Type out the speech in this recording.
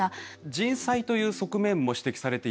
人災という側面も指摘されていますけれども